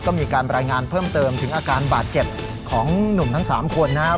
ก็มีการรายงานเพิ่มเติมถึงอาการบาดเจ็บของหนุ่มทั้ง๓คนนะครับ